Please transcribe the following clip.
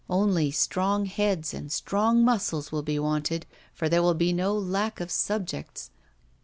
Only strong heads and strong muscles will be wanted, for there will be no lack of subjects.